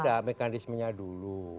tidak mekanismenya dulu